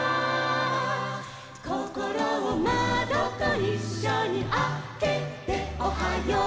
「こころをまどといっしょにあけておはよう！」